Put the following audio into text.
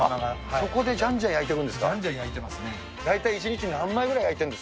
そこでじゃんじゃん焼いているん